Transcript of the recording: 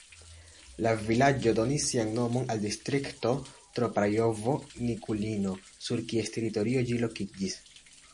La vilaĝo donis sian nomon al distrikto Troparjovo-Nikulino, sur kies teritorio ĝi lokiĝis.